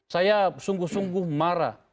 saya sungguh sungguh marah